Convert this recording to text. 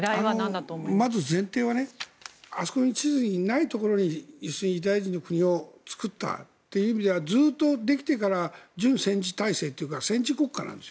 まず前提はあそこの地図にないところにユダヤ人の国を作ったという意味ではずっとできてから準戦時体制というか戦時国家なんです。